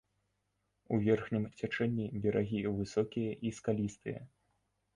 У верхнім цячэнні берагі высокія і скалістыя.